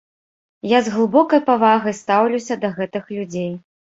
Я з глыбокай павагай стаўлюся да гэтых людзей.